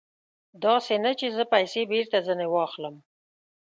داسې نه چې زه پیسې بېرته ځنې واخلم.